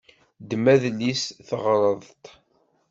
Ddem adlis, teɣreḍ-t!